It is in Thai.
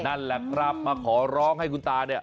นั่นแหละครับมาขอร้องให้คุณตาเนี่ย